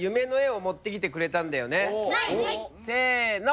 せの。